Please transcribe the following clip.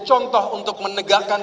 contoh untuk menegakkan